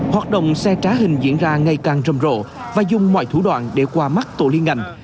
hoạt động xe trá hình diễn ra ngày càng rầm rộ và dùng mọi thủ đoạn để qua mắt tổ liên ngành